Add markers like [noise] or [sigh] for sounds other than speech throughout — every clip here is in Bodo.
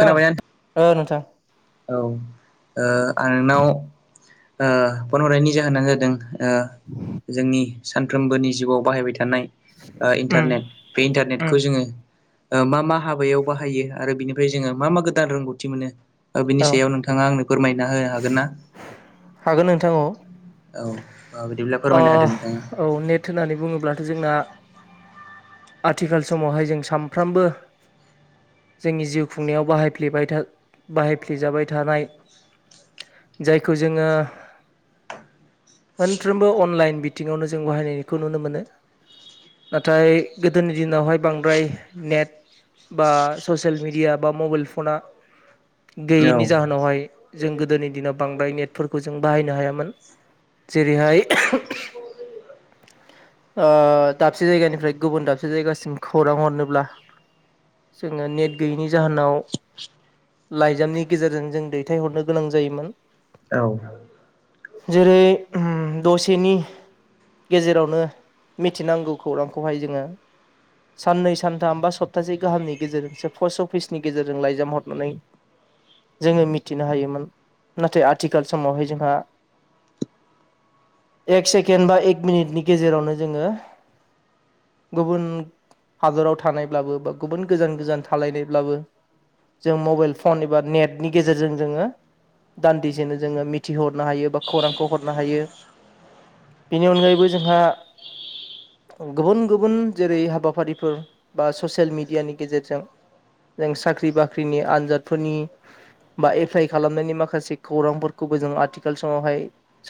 औ नोंथां? औ होनथां औ आं नोंनाव फन हरनायनि जाहोनानो जादों जोंनि सानफ्रोमबोनि जिउआव बाहायबाय उम थायो उम [inaudible] हाबायाव बाहायो आरो बिनिफ्राय जोङो मा मा गोदान रोंगौथि मोनो बिनि औ सायाव नोंथाङा आंनो फोरमायना होनो हागोन ना हागोन नोंथां औ औ औ बिदिब्ला फोरमायनो होदो नोंथाङा। औ नेट होननानै बुङोब्लाथ' जोंना आथिखाल समावहाय जों सानफ्रोमबो जोंनि जिउ खुंनायाव बाहायफ्ले बाहायफ्लेजाबाय थानाय जायखौ जोङो मोनफ्रोमबो अनलाइन बिथिङावनो जों बाहायनायखौ नुनो मोनो नाथाय गोदोनि दिनावहाय बांद्राय नेट बा ससियेल मिडिया बा बा मबाइल फना [inaudible] औ गैयैनि जाहोनावहाय जों गोदोनि दिनाव बांद्राय नेट फोरखौ जों बाहायनो हायामोन जेरैहाय [inaudible] [inaudible] दाबसे जायगानिफ्राय गुबुन दाबसे जायगासिम खौरां हरनोब्ला जोङो नेट गैयैनि जाहोनाव लाइजामनि गेजेरजों जों दैथायहरनो गोनां जायोमोन औ जेरै दसेनि गेजेरावनो मिथिनांगौ खौरांखौहाय जोङो साननै सानथाम बा सप्तासे गाहामनि गेजेरजोंसो पस्ट अफिसनि गेजेरजों लाइजाम हरनानै जोङो मिथिनो हायोमोन नाथाय आथिखाल समावहाय जोंहा एक सेकेन्ड बा एक मिनिटनि गेजेरावनो जोङो गुबुन हादराव थानायब्लाबो बा गुबुन गोजान गोजान थालायनायब्लाबो जों मबाइल फन एबा नेटनि गेजेरजों जोङो दान्दिजोंनो जोङो मिथिहरनो हायो बा खौरांखौ हरनो हायो। बेनि अनगायैबो जोंहा [inaudible] औ गुबुन गुबुन जेरै हाबाफारिफोर बा ससियेल मेडियानि गेजेरजों जों साख्रि बाख्रिनि आन्जादफोरनि बा एप्लाइ खालामनायनि माखासे खौरांफोरखौबो जों आथिखाल समावहाय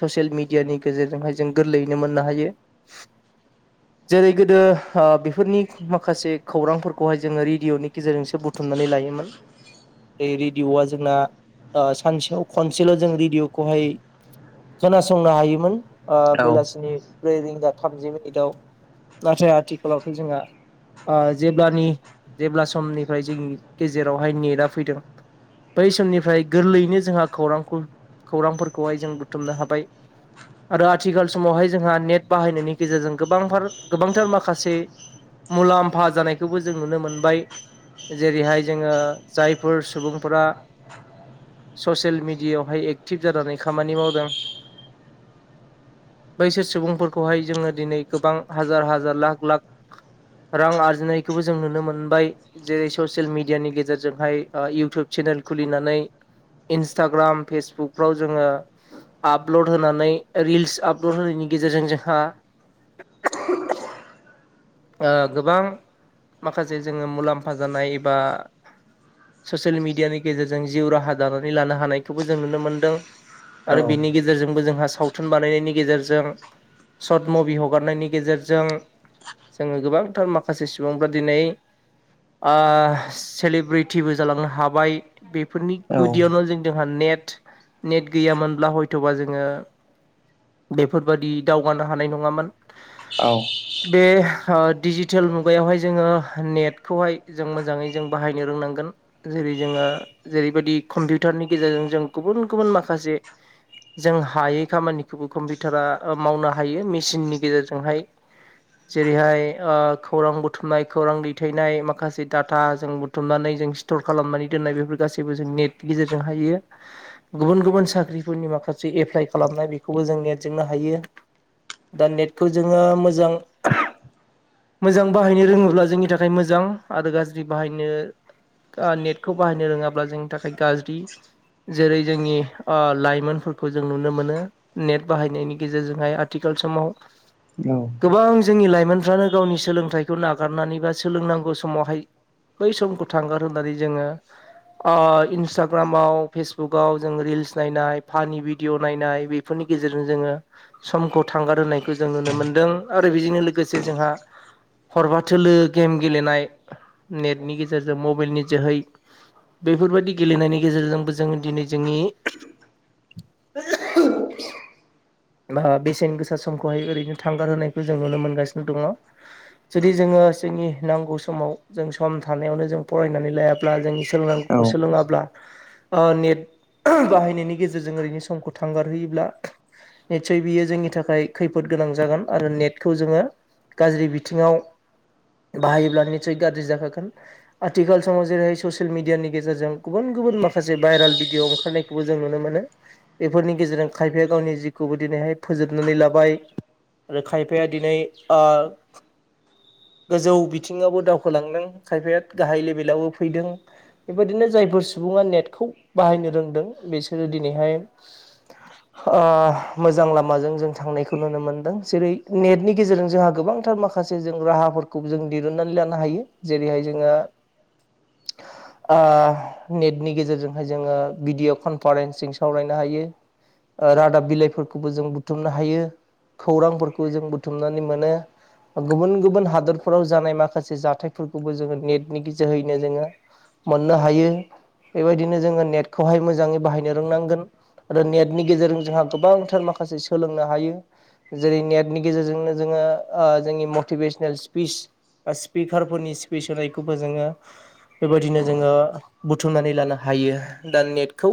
ससियेल मिडियानि गेजेर जोंहाय जों गोरलैयैनो मोननो हायो। [inaudible] जेरै गोदो ओ बेफोरनि माखासे खौरांफोरखौहाय जोङो रेडिअ'नि गेजेरजोंसो बुथुम नानै लायोमोन। बे रेडिअ'आ जोंना ओ सानसेयाव खनसेल' जों रेडिअ'खौहाय खोनासंनो हायोमोन ओ औ बेलासिनि ब्रै रिंगा थामजि मिनिटाव नाथाय आथिखालावथ' जोंहा ओ जेब्लानि जेब्ला समनिफ्राय जोंनि गेजेरावहाय नेदा फैदों बै समनिफ्राय गोरलैयैनो जोंहा खौरांखौ खौरांफोरखौहाय जों बुथुमनो हाबाय आरो आथिखाल समावहाय जोंहा नेट बाहायनायनि गेजेरजों गोबांफार गोबांथार माखासे मुलाम्फा जानायखौबो जों नुनो मोनबाय जेरैहाय जोङो जायफोर सुबुंफोरा ससियेल मिडियायावहाय एक्टिभ जानानै खामानि मावदों बैसोर सुबुंफोरखौहाय जोङो दिनै गोबां हाजार हाजार लाख लाख रां आरजिनायखौबो जों नुनो मोनबाय जेरै ससियेल मिडियानि गेजेरजोंहाय ओ इउटुब चेने नेल खुलिनानै इन्सटाग्राम फेसबुकफ्राव जोङो आपल'ड होनानै रिल्स आपल'ड होनायनि गेजेरजों जोंहा [unintelligible] ओ गोबां माखासे जोङो मुलाम्फा जानाय एबा ससियेल मिडियानि गेजेरजों जिउ राहा दानानै लानो हानायखौबो जों नुनो मोनदों आरो बिनि गेजेरजोंबो जोंहा सावथुन बानायनायनि गेजेरजों सर्ट मुभि हगारनायनि गेजेरजों जोङो गोबांथार माखासे सुबुंफ्रा दिनै ओ ससेलिब्रिथिबो जालांनो हाबाय बेफोरनि औ गुदियावनो जों जोंहा ने नेट नेट गैयामोनब्ला हयथ'बा जोङो बेफोरबादि दावगानो हानाय नङामोन बे ओ डिजिटेल मुगायावहाय जोङो नेटखौहाय जों मोजाङै जों बाहायनो रोंनांगोन जेरै रै जोङो जेरैबायदि कम्पिउटारनि गेजेरजों जों गुबुन गुबुन माखासे जों हायै खामानिखौबो कम्पिउटारा ओ मावनो हायो मेचिननि गेजेरजोंहाय जेरैहाय ओ खौरां बुथुमनाय खौरां दैथायनाय माखासे दाथा जों बुथुमनानै जों स्तर खालामनानै दोन्नाय बेफोर गासिबो जों नेट गेजेरजों हायो गुबुन गुबुन साख्रिफोरनि माखासे एप्लाइ खालामनाय बेखौबो जों नेट जोंनो हायो [unintelligible] दा नेटखौ जोङो मोजां मोजां बाहायनो रोङोब्ला जोंनि थाखाय मोजां आरो गाज्रि बाहायनो ओ नेटखौ बाहायनो रोङाब्ला जोंनि थाखाय गाज्रि जेरै जोंनि ओ लाइमोनफोरखौ जों नुनो मोनो नेट बाहायनायनि गेजेरजोंहाय आथिख खाल समाव गोबां जोंनि लाइमोनफ्रानो गावनि सोलोंथाइखौ नागारनानै बा सोलोंनांगौ समावहाय बै समखौ थांगार होननानै जोङो ओ इन्सटाग्रामाव फेसबुकआव जों रिल्स नायनाय फानि भिडिय' नायनाय बेफोरनि गेजेरजों जोङो समखौ थांगार होनायखौ जों नुनो मोनदों आरो बेजोंनो लोगोसे जोंहा हरबा थोलो गेम गेलेनाय नेटनि गेजेरजों मबाइलनि जोहै बेफोरबायदि गेलेनायनि गेजेरजोंबो जोङो दिनै जोंनि [unintelligible] बा बेसेन गोसा समखौहाय ओरैनो थांगार होनायखौ जों नुनो मोनगासिनो दङ, जुदि जोङो ओ जोंनि नांगौ समाव जों सम थानायावनो जों फरायनानै लाया ब्ला जोंनि सोलोंनांगौखौ सोलोङाब्ला ओ नेट बाहायनायनि गेजेरजों ओरैनो समखौ थांगारहोयोब्ला नित्सय बियो जोंनि थाखाय खैफोद गोनां जागोन आरो नेटखौ जोंङो गाज्रि बिथिंङाव बाहायोब्ला निसय गाज्रि जाखागोन आथिखाल समाव जेरैहाय ससियेल मिडियानि गेजेरजों गुबुन गुबुन माखासे भाइरेल भिडिअ ओंखारनायखौबो जों नुनो मोनो बेफोरनि गेजेरजों खायफाया गावनि जि खौबो दिनैहाय फोजोबनानै लाबाय आरो खायफाया दिनै ओ [inaudible] गोजौ बिथिङावबो दावखोलांदों खायफायाद गाहाय लेभेलावबो फैदों बेबायदिनो जायफोर सुब सुबुङा नेटखौ बाहायनो रोंदों बिसोरो दिनैहाय ओ मोजां लामाजों जों थांनायखौ नुनो मोनदों जेरै नेटनि गेजेरजों जोंहा गोबांथार माखासे जों रा फोरखौ जों दिरुननानै लानो हायो। जेरैहाय जोंङो [inaudible] ओ नेटनि गेजेर जोंङो भिदिय' कनफारेन्सिजों सावरायनो हायो ओ रादाब बिलाइ खौबो जों बुथुमनो हायो, खौरांफोरखौ जों बुथुमनानै मोनो। गुबुन गुबुन हादरफोराव जानाय माखासे जाथायफोरखौबो जोंङो नेटनि गेजोहैनो जोङो मोननो हायो बेबायदिनो जोंङो नेटखौहाय मोजाङै बाहायनो रोंनांगोन आरो नेटनि गेजेरजों जोंहा गोबांथ थार माखासे सोलोंनो हायो जेरै नेटनि गेजेरजोंनो जोंङो ओ जोंनि मटिभेसनेलस स्पिस बा स्पिकारफोरनि स्पिस होनायखौबो जोंङो बेबायदिनो जोंङो बुथुमनानै लानो हायो दा नेटखौ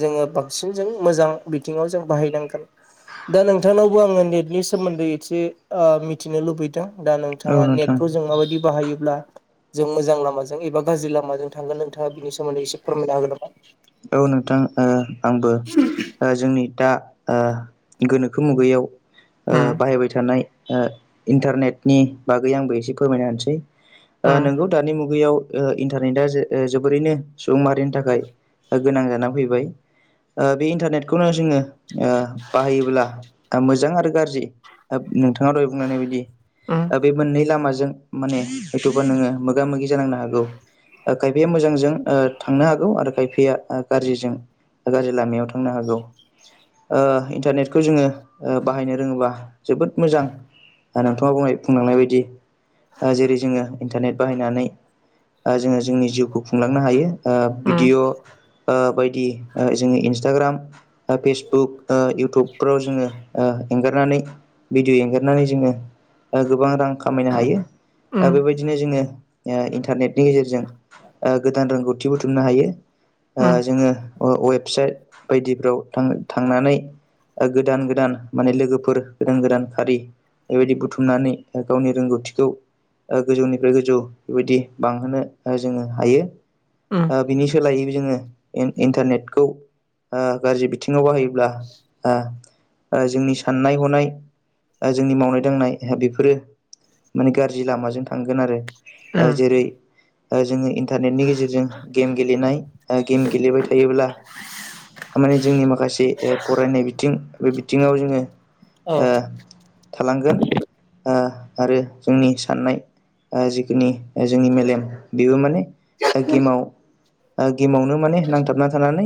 जोंङो बांसिन जों मोजां बिथिङाव जों बाहायनांगौ दा नोंथांनावबो आङो नेटनि सोमोन्दै एसे ओ मिथिनो लुबैदों दा औ नोंथाङा नोंथां नेटखौ जों माबायदि बाहायोब्ला जों मोजां लामाजों एबा गाज्रि लामाजों थांगोन नोंथाङा बिनि सोमोन्दै एसे फोरमायना होगोन नामा? औ नोंथां ओ आंबो जोंनि दा ओ गोनोखो मुगायाव ओ उम बाहायबाय थाना ओ इन्टारनेटनि बागै आंबो एसे फोरमायना होनोसै, ओ उम नोंगौ दानि मुगायाव ओ इन्टारनेटआ ओ जो जोबोरैनो सुबुं माहारिनि थाखाय गोनां जाना फैबाय ओ बे इन्टारनेटखौनो जोंङो ओ बाहायोब्ला आं मोजां आरो गाज्रि नोंथाङा दहाय बुंलायनाय बायदि ओ बे मोननै लामाजों माने हयथ'बा नोङो मोगा मोगि जानांनो हागौ। ओ खायफाया मोजांजों ओ थांनो हागौ आरो खायफाया या गारजिजों गाज्रि लामायाव थांनो हागौ। ओ इन्टारनेटखौ जोङो ओ बाहायनो रोङोबा जोबोद मोजां। नोंथाङा बुंनाय बुंलांनाय बायदि ओ जेरै जोङो इन्टारनेट बाहायनानै ओ जोंङो जोंनि जिउखौ खुंलांनो हायो। ओ उम भिडिअ' ओ बायदि ओ जोंङो इन्सटाग्राम, ओ फेसबुक, ओ इयउटुबफोराव जोङो ओ एंगारनानै भिडिय' एंगारनानै जोंङो ओ गोबां रां खामायनो हायो। ओ उम बेबायदिनो जोंङो ओ इन्टारनेटनि गेजेरजों ओ गोदान रोंगौथि बुथुमनो हायो। ओ उम उम जोंङो वे-वेबसाइट बायदिफ्राव थां-थांनानै ओ गोदान गोदान माने लोगोफोर गोदान गोदान खारि बेबायदि बुथुमनानै गावनि रोंगौथिखौ ओ गोजौनिफ्राय गोजौ बेबायदि बांहोनो ओ जोंङो हायो। उम ओ बिनि सोलायै इ इन्टारनेटखौ ओ गाज्रि बिथिङाव बाहायोब्ला ओ ओ जोंनि साननाय हनाय जोंनि मावनाय दांनाय बेफोरो माने गाज्रि लामाजों थांगोन आरो ओ उम जेरै ओ जोङो इन्टारनेटनि गेजेरजों गेम गेलेनाय ओ गेम गेलेबाय थायोब्ला थामाने जोंनि माखासे फरायनाय बिथिं बे बिथिङाव जोङो औ ओ थालांगोन ओ आरो जोंनि साननाय ओ जिखिनि जोंनि मेलेम बेबो माने गेमाव ओ गेमावनो माने नांथाबना थानानै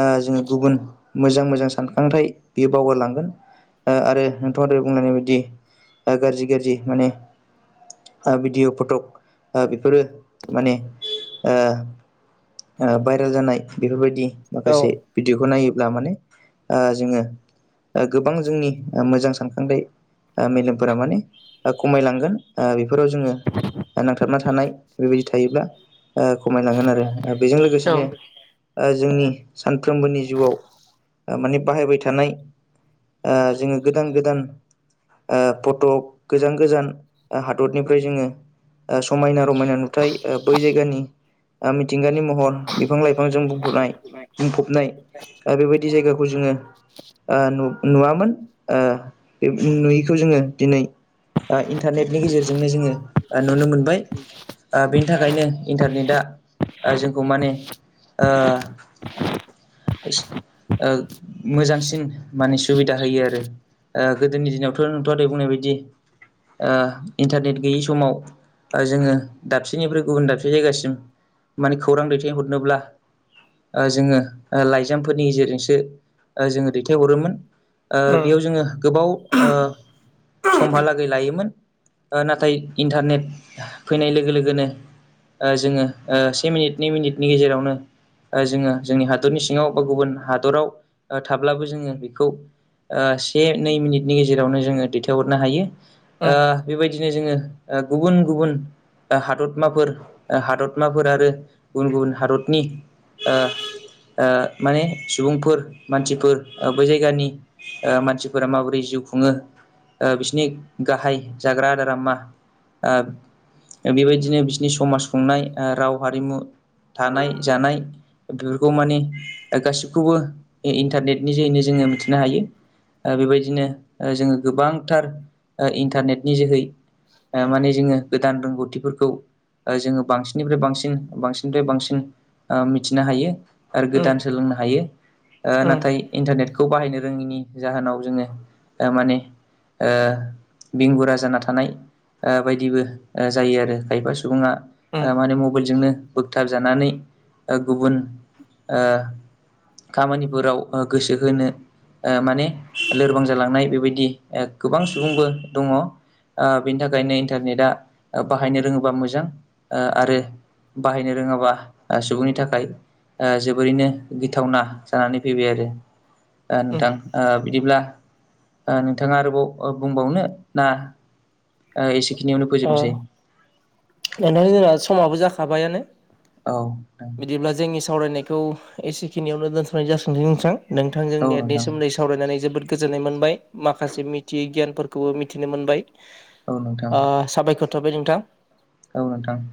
ओ जोङो गुबुन मोजां मोजां सानखांथायाइ बियो बावगारलांगोन ओ आरो नोंथाङा ओरै बुंलायनाय बायदि गाज्रि गाज्रि माने ओ भिडिअ' फटक ओ बेफोरो माने ओ ओ भाइरेल जानाय बेफोरबायदि औ माखासे भिडिअखौ नायोब्ला ब्ला माने ओ मेलेमफोरा माने खमायलांगोन ओ बेफोराव जोङो नांथाबना थानाय बेबायदि थायोब्ला ओ खमायलांगोन आरो बेजों उम लोगोसेनो ओ जोंनि सानफ्रोमबोनि जिउआव माने बाहायबाय थानाय ओ जोङो गोदान गोदान ओ फटक गोजान गोजान हादरनिफ्राय जोङो ओ समायना रमायना नुथाय बै जायगानि मिथिंगानि म हर बिफां लाइफांजों बुंफनाय बुंफबनाय आरो बेबायदि जायगाखौ जोङो ओ नुवामोन ओ बे नुयिखौ जोङो दिनै ओ इन्टारनेटनि गेजेरजोंनो जोङो ओ नुनो मोनबाय ओ बिनि थाखायनो इन्टारनेटआ जोंखौ माने [unintelligible] ओ मोजांसिन माने सुबिदा होयो आरो ओ गोदोनि दिनावथ' नोंथाङा दहाय बुंनाय बायदि इन्टारनेट गैयै समाव जोङो दाबसेनिफ्राय गुबुन दाबसे जायगासिम माने खौरां दैथायहरनोब्ला ओ जोङो लाइजामफोरनि ओ उम बेयाव जोङो गोबाव समहालागै लायोमोन ओ नाथाय ओ जोङो से मिनिट नै मिनिटनि गेजेरावनो ओ जोङो जोंनि हादरनि सिङाव बा गुबुन हादराव थाब्लाबो जोङो बेखौ ओ से नै मिनिटनि गेजेरावनो जोङो दैथायहरनो हायो। ओ उम बेबायदिनो जोङो ओ गुबुन गुबुन हादरमाफोर हादरमाफोर आरो गुबुन गुबुन हादरनि ओ माने सुबुंफोर मानसिफोर बै जायगानि ओ मानसिफोरा माबोरै ज जिउ खुङो ओ बिसिनि गाहाय जाग्रा आदारा मा ओ बेबायदिनो बिसोरनि समाज खुंनाय राव हारिमु थानाय जानाय बेफोरखौ माने गासिबखौबो इन्टारनेट नि जोहैनो जोङो मिथिनो हायो। ओ बेबायदिनो जोङो गोबांथार ओ इन्टारनेट नि जोहै माने जोङो गोदान रोंगौथिफोरखौ ओ जोङो बांसिननिफ्राय बांसिन बांसिननिफ्राय बांसिन ओ मिथिनो हायो आरो उम गोदान सोलोंनो हायो ओ उम नाथाय इन्टारनेटखौ बाहायनो रोङिनि जाहोनाव जोङो ओ माने ओ बेंगुरा जाना थानाय ओ बायदिबो जायो आरो खायफा सुबुङा माने मबाइलजोंनो फोथाबजानानै ओ गुबुन ओ खामानिफोराव गोसो होनो ओ माने लोरबां जालांनाय बेबायदि गोबां सुबुंबो दङ' आ बेनि थाखायनो इन्टारनेटआ बाहायनो रोङोबा मोजां ओ आरो बाहायनो रोङाबा सुबुंनि थाखाय ओ जोबोरैनो गिथावना जानानै फैबाय आरो ओ उम नोंथां बिदिब्ला नोंथाङा आरोबाव बुंबावनो ना एसे बेखिनियावनो फोजोबनोसै? ओ नोंथां जोंना समाबो जाखाबायानो औ बिदिब्ला जोंनि खौ एसेखिनियावनो दोनथ'नाय जासि गोन दे नोंथां नोंथांजोंनि नेटनि नोंथां सोम्दैावरायनानै जोबोद गोजोननाय मोनबाय माखासे मिथियै गियानफोरखौबो मिथिनो मोनबाय औ नोंथां ओ साबायखर थाबबाय नोंथां। औ नोंथां।